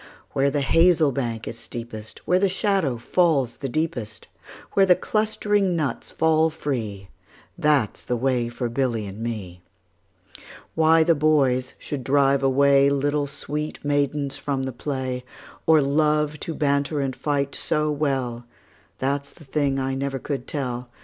Where the hazel bank is steepest, Where the shadow falls the deepest, Where the clustering nuts fall free, 15 That 's the way for Billy and me. Why the boys should drive away Little sweet maidens from the play, Or love to banter and fight so well, That 's the thing I never could tell.